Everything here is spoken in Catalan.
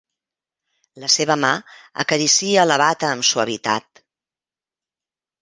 La seva mà acaricia la bata amb suavitat.